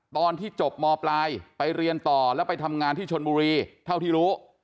ตอนที่จบมปลายไปเรียนต่อแล้วไปทำงานที่ชนบุรีเท่าที่รู้